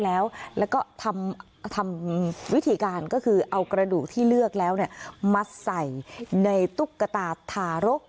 แล้วก็ทำวิธีการก็คือเอากระดูกที่เลือกแล้วมาใส่ในตุ๊กตาทารก